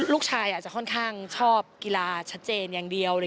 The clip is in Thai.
ลูกชายอาจจะค่อนข้างชอบกีฬาชัดเจนอย่างเดียว